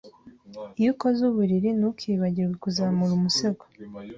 Iyo ukoze uburiri, ntukibagirwe kuzamura umusego.